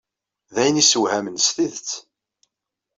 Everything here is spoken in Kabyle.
D ayen yessewhamen s tidet.